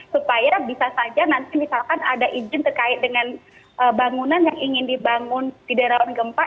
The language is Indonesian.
supaya bisa saja nanti misalkan ada izin terkait dengan bangunan yang ingin dibangun di daerah gempa